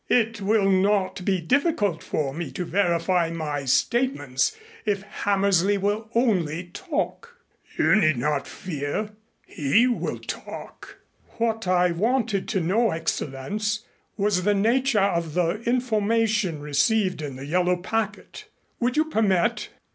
"It will not be difficult for me to verify my statements if Hammersley will only talk." "You need not fear. He will talk." "What I wanted to know, Excellenz, was the nature of the information received in the yellow packet. Would you permit